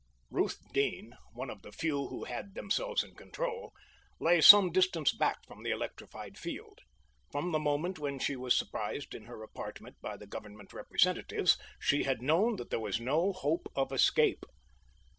Ruth Deane, one of the few who had themselves in control, lay some distance back from the electrified field. From the moment when she was surprised in her apartment by the Government representatives, she had known that there was no hope of escape.